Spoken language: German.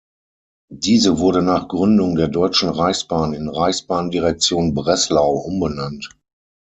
Diese wurde nach Gründung der Deutschen Reichsbahn in "Reichsbahndirektion Breslau" umbenannt.